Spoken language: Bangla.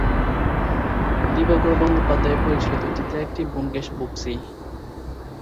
দিবাকর বন্দ্যোপাধ্যায় পরিচালিত "ডিটেকটিভ ব্যোমকেশ বক্সী!"